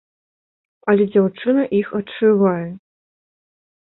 Але дзяўчына іх адшывае.